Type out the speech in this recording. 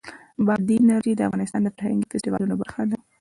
بادي انرژي د افغانستان د فرهنګي فستیوالونو برخه ده.